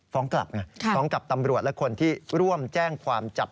ฟ้องกลับไงฟ้องกับตำรวจและคนที่ร่วมแจ้งความจับ